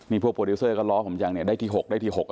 พวกโปรดิวเซอร์ก็ล้อผมจังเนี่ยได้ที่๖ได้ที่๖